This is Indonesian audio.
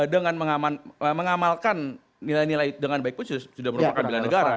dengan mengamalkan nilai nilai dengan baik pun sudah merupakan bela negara